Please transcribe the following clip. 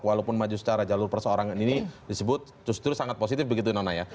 walaupun maju secara jalur persoarangan ini disebut justru sangat positif begitu nonaya